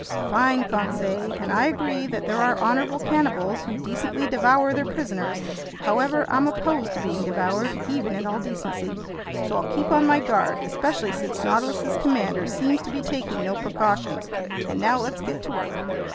"Fine, Conseil! And I agree that there are honorable cannibals who decently devour their prisoners. However, I'm opposed to being devoured, even in all decency, so I'll keep on my guard, especially since the Nautilus's commander seems to be taking no precautions. And now let's get to work!"